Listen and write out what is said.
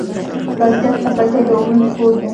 بزګر ته پټی د امید کور دی